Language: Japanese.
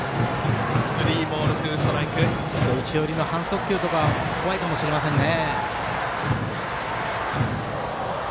内寄りの半速球とか怖いかもしれませんね。